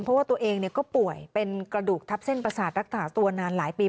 เพราะว่าตัวเองก็ป่วยเป็นกระดูกทับเส้นประสาทรักษาตัวนานหลายปี